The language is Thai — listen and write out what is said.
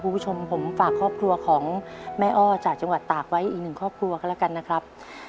คุณผู้ชมผมฝากครอบครัวของแม่อ้อจากจังหวัดตากไว้อีกหนึ่งครอบครัวก็แล้วกันนะครับ